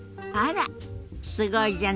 すごいじゃない。